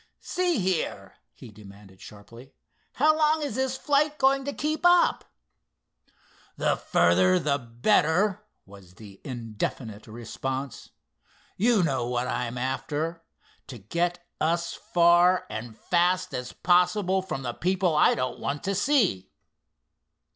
"See here," he demanded sharply, "how long is this flight going to keep up?" "The further the better," was the indefinite response. "You know what I'm after—to get us far and fast as possible from the people I don't want to see.